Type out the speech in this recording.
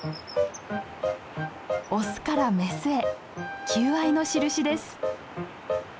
オスからメスへ求愛の印です。